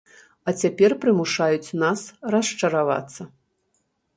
А цяпер прымушаюць нас расчаравацца.